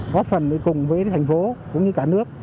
góp phần cùng với thành phố cũng như cả nước